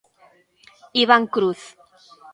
Iván Cruz.